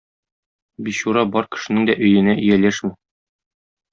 Бичура бар кешенең дә өенә ияләшми.